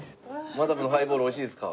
マダムのハイボールおいしいですか？